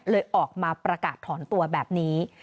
ออกมาประกาศถอนตัวแบบนี้